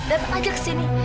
datang aja kesini